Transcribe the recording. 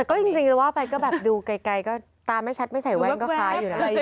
ก็จริงจะว่าไปก็แบบดูไกลก็ตาไม่ชัดไม่ใส่แว่นก็คล้ายอยู่นะ